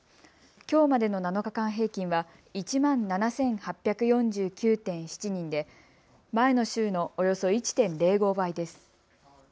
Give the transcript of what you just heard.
きょうまでの７日間平均は１万７８４９．７人で前の週のおよそ１．０５倍です。